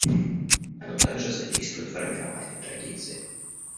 Оно также содействует формированию традиции.